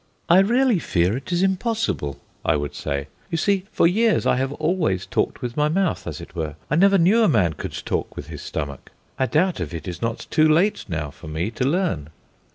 "I really fear it is impossible," I would say. "You see, for years I have always talked with my mouth, as it were; I never knew a man could talk with his stomach. I doubt if it is not too late now for me to learn."